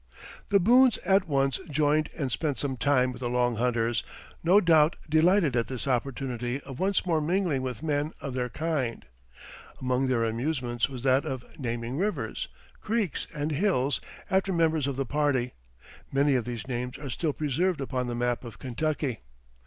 The Boones at once joined and spent some time with the Long Hunters, no doubt delighted at this opportunity of once more mingling with men of their kind. Among their amusements was that of naming rivers, creeks, and hills after members of the party; many of these names are still preserved upon the map of Kentucky.